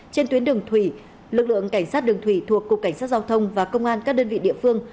trên tuyến đường thủy lực lượng cảnh sát đường thủy thuộc cục cảnh sát giao thông và công an các đơn vị địa phương